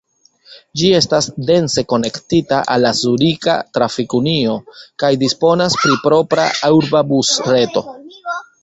Ĝi estas dense konektita al la Zurika Trafik-Unio kaj disponas pri propra urba busreto.